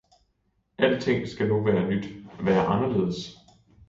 »Alting skal nu være nyt, være anderledes!